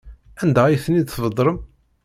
Anda ay ten-id-tbedrem?